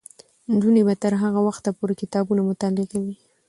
نجونې به تر هغه وخته پورې کتابونه مطالعه کوي.